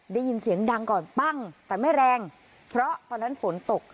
ได้ยินเสียงดังก่อนปั้งแต่ไม่แรงเพราะตอนนั้นฝนตก